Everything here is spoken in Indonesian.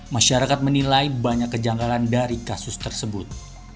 masyarakat menilai banyak kejanggalan dari kasus tersebut